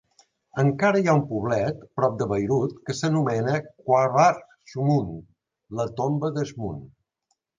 Encara hi ha un poblet prop de Beirut que s'anomena Qabr Shmoun, "la tomba d'Eshmoun".